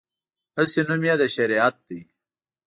هسې نوم یې د شریعت دی.